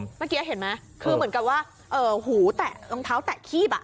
เมื่อกี้เห็นไหมคือเหมือนกับว่าหูแตะรองเท้าแตะคีบ